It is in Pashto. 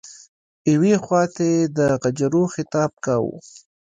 یوې خواته یې د غجرو خطاب کاوه.